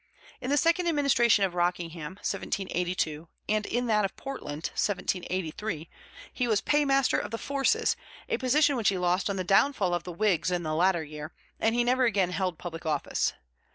In the second administration of Rockingham (1782) and in that of Portland (1783) he was paymaster of the forces, a position which he lost on the downfall of the Whigs in the latter year, and he never again held public office.